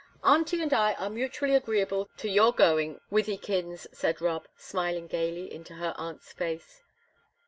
"Auntie and I are mutually agreeable to your going, Wythikins," said Rob, smiling gaily into her aunt's face.